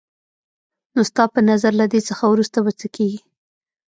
نو ستا په نظر له دې څخه وروسته به څه کېږي؟